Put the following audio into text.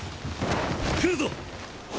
来るぞ！